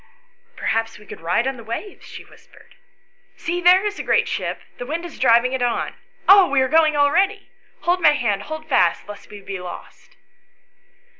"Perhaps we could ride on the waves," she whispered. " See, there is a great ship ; the wind is driving it on. Oh, we are going already; hold my hand ; hold fast, lest we be lost."